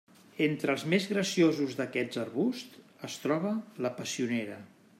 Entre els més graciosos d'aquests arbusts es troba la passionera.